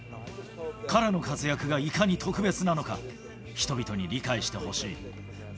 彼の活躍がいかに特別なのか、人々に理解してほしい。